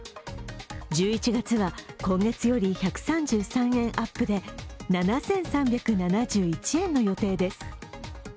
１１月は今月より１３３円アップで７３７１円の予定です。